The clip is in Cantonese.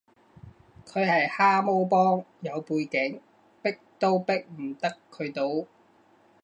佢係蛤蟆幫，有背景，逼都逼唔得佢到